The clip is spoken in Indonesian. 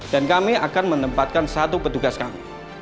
dan kami akan menempatkan satu petugas kami